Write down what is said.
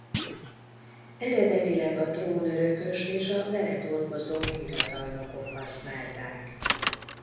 Eredetileg a trónörökös és a vele dolgozó hivatalnokok használták.